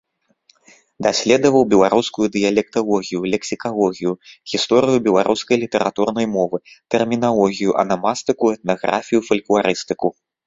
Даследаваў беларускую дыялекталогію, лексікалогію, гісторыю беларускай літаратурнай мовы, тэрміналогію, анамастыку, этнаграфію, фалькларыстыку.